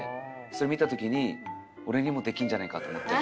それ見た時に俺にもできるんじゃないかと思って。